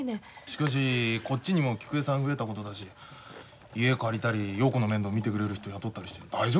しかしこっちにも菊江さん増えたことだし家借りたり陽子の面倒見てくれる人雇ったりして大丈夫なの？